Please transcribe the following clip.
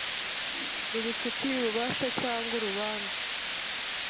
rubifitiye ububasha cyangwa urubanza